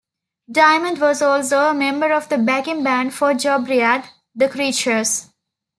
Diamond was also a member of the backing band for Jobriath, The Creatures.